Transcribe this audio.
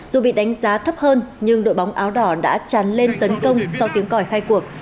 dù bị đánh giá thấp hơn nhưng đội bóng áo đỏ đã tràn lên tấn công sau tiếng còi khai cuộc